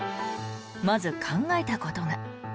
まず、考えたことが。